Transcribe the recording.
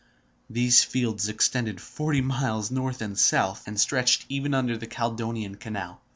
These fields extended forty miles north and south, and stretched even under the Caledonian Canal.